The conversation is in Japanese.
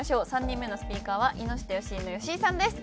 ３人目のスピーカーは井下好井の好井さんです。